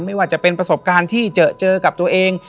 ไม่ว่าจะเป็นประสบการณ์ที่เจอกับตัวเอง